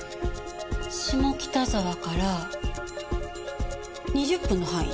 下北沢から２０分の範囲？